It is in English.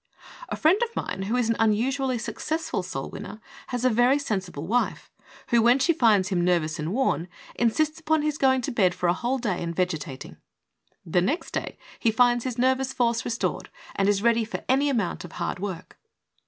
A friend of mine who is an unusually successful soul winner, has a very sensible wife, who, when she finds him nervous and worn^ insists upon his going to bed for a whole day and vegetat ing. The next day he finds his nervous force restored and is ready for any amount of hard work.